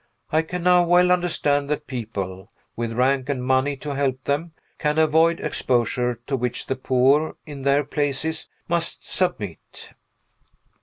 I can now well understand that people, with rank and money to help them, can avoid exposure to which the poor, in their places, must submit.